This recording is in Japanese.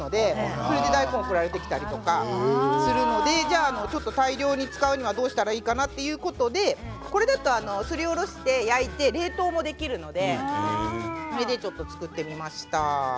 芸人とか吉本の子たちも農業をやっているので大根が送られてきたりするので大量に使うにはどうすればいいかということでこれだと、すりおろして焼いて冷凍もできるのでそれで作ってみました。